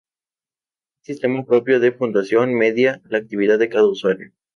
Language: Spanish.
Un sistema propio de puntuación, medía la actividad de cada usuario.